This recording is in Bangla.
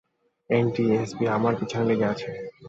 এনটিএসবি আমার পেছনে লেগে আছে।